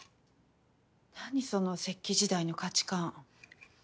なにその石器時代の価値観。